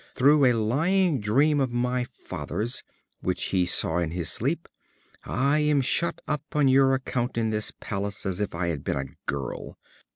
through a lying dream of my father's, which he saw in his sleep, I am shut up on your account in this palace as if I had been a girl.